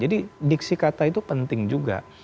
jadi diksi kata itu penting juga